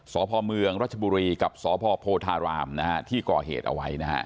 สพเมืองรัชบุรีกับสพโพธารามนะฮะที่ก่อเหตุเอาไว้นะฮะ